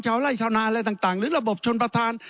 ไล่ชาวนาอะไรต่างหรือระบบชนประธาน